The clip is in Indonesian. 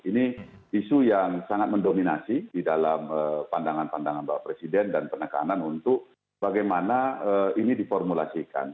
ini isu yang sangat mendominasi di dalam pandangan pandangan bapak presiden dan penekanan untuk bagaimana ini diformulasikan